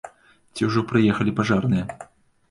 Ці ужо прыехалі пажарныя?